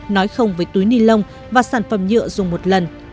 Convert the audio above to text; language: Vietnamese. nói không với túi ni lông và sản phẩm nhựa dùng một lần